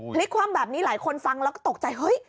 พลิกคว่ำแบบนี้หลายคนฟังแล้วก็ตกใจเฮ้ย